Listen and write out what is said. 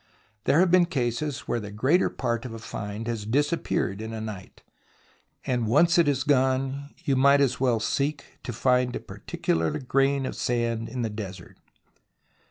There have been cases where the greater part of a find has disappeared in a night, and once it is gone you might as well seek to find a particular grain of sand in the desert.